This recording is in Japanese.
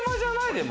でも。